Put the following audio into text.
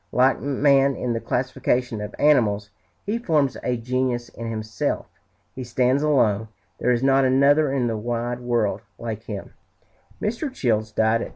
Like man in the classification of animals, he forms a genus in himself. He stands alone; there is not another in the wide world like him." Mr. Childs died at 3.